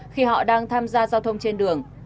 khi họ đang tham gia giao thông trên đường